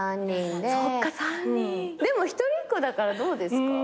でも一人っ子だからどうですか？